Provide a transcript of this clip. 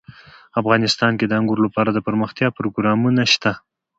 افغانستان کې د انګور لپاره دپرمختیا پروګرامونه شته.